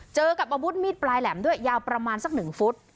เจอกับอาวุธมีดปลายแหลมด้วยยาวประมาณสัก๑ฟุต